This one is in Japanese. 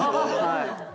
はい。